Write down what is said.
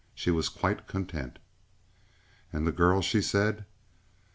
She was quite content. "And the girl?" she said.